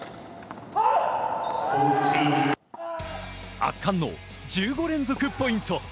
圧巻の１５連続ポイント。